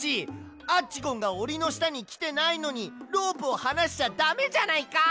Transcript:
アッチゴンがおりのしたにきてないのにロープをはなしちゃだめじゃないか！